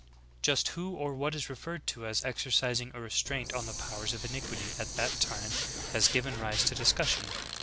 /" 8. Just who or what is referred to as exercismg a re stl^int on the powers of iniquity at that time has given rise to discussion.